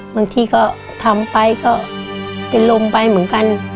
บางทีก็ทำไปก็เป็นลมไปเหมือนกัน